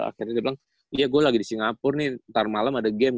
akhirnya dia bilang ya gua lagi di singapur nih ntar malem ada game